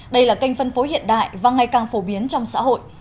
đây là kênh phân phối hiện đại và ngày càng phổ biến trong xã hội